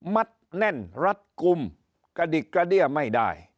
แน่นรัดกลุ่มกระดิกกระเดี้ยไม่ได้